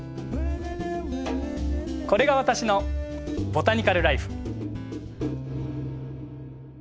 これが私のボタニカル・らいふ。